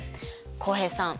浩平さん